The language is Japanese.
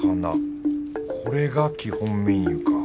これが基本メニューか。